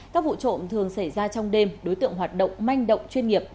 các vụ trộm thường xảy ra trong đêm đối tượng hoạt động manh động chuyên nghiệp